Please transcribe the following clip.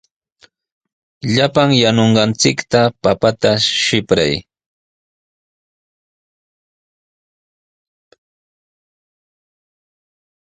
Llapan yanunqanchik papata sipray.